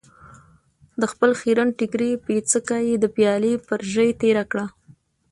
د خپل خيرن ټکري پيڅکه يې د پيالې پر ژۍ تېره کړه.